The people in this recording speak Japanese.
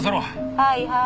はいはい。